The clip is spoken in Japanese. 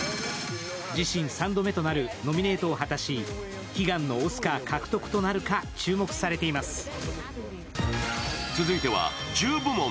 自身３度目となるノミネートを果たし悲願のオスカー獲得となるか、注目されています。